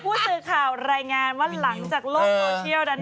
ภูตสื่อข่าวรายงานว่าหลังจากโลกโมเทียลดันได้กัน